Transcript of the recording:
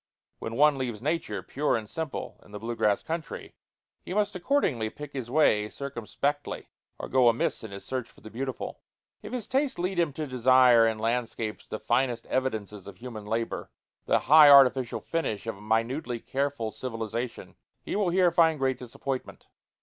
When one leaves nature, pure and simple, in the blue grass country, he must accordingly pick his way circumspectly or go amiss in his search for the beautiful. If his taste lead him to desire in landscapes the finest evidences of human labor, the high artificial finish of a minutely careful civilization, he will here find great disappointment.